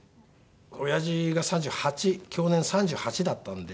おやじが３８享年３８だったんで。